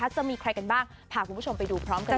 จะมีใครกันบ้างพาคุณผู้ชมไปดูพร้อมกันเลย